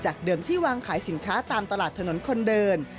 เดิมที่วางขายสินค้าตามตลาดถนนคนเดิน